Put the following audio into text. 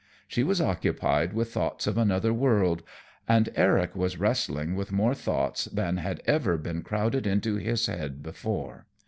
She was occupied with thoughts of another world, and Eric was wrestling with more thoughts than had ever been crowded into his head before.